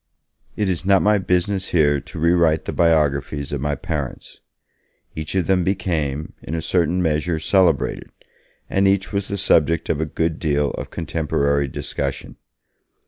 It is not my business here to re write the biographies of my parents. Each of them became, in a certain measure, celebrated, and each was the subject of a good deal of contemporary discussion.